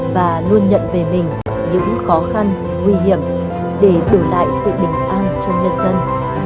và luôn nhận về mình những khó khăn nguy hiểm để đổi lại sự bình an cho nhân dân